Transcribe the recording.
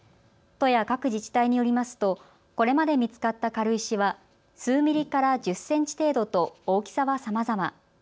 都や各自治体によりますとこれまで見つかった軽石は数ミリから１０センチ程度と大きさはさまざま。